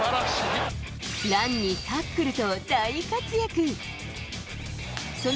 ランにタックルと大活躍。